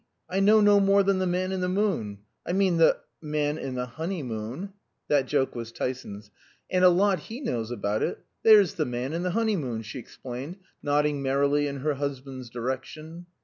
I know no more than the man in the moon I mean the man in the honeymoon" (that joke was Tyson's), "and a lot he knows about it. There's the man in the honeymoon," she explained, nodding merrily in her husband's direction.